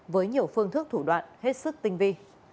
với nhiều phương thức thủ đoạn hết sức tinh vi